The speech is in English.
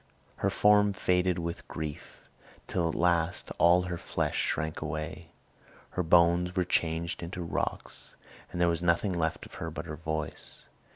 Her form faded with grief, till at last all her flesh shrank away. Her bones were changed into rocks and there was nothing left of her but her voice.